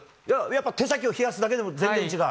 手先を冷やすだけでも全然違う？